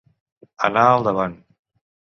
Anar al davant.